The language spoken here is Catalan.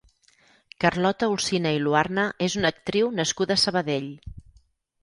Carlota Olcina i Luarna és una actriu nascuda a Sabadell.